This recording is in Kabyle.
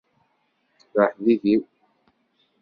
D aḥbib-iw.